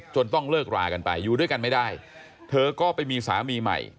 ต้องเลิกรากันไปอยู่ด้วยกันไม่ได้เธอก็ไปมีสามีใหม่